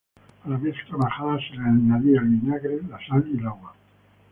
A la mezcla majada se le añadía el vinagre, la sal y el agua.